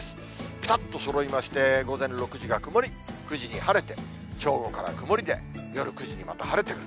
ぴたっとそろいまして、午前６時が曇り、９時に晴れて、正午から曇りで、夜９時にまた晴れてくる。